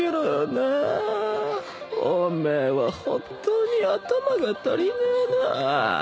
お前は本当に頭が足りねえなぁ。